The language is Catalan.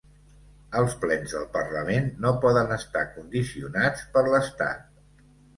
Els plens del parlament no poden estar condicionats per l’estat.